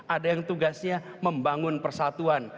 ada yang tugasnya membangun persatuan